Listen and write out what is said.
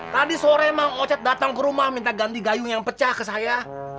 tadi sore bang ocet datang ke rumah minta ganti gayung yang pecah ke saya